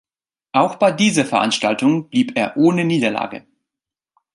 Auch bei dieser Veranstaltung blieb er ohne Niederlage.